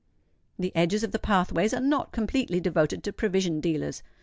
The edges of the pathways are not completely devoted to provision dealers.